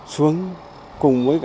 xuống cùng với